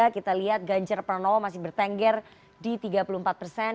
kita lihat ganjar pranowo masih bertengger di tiga puluh empat persen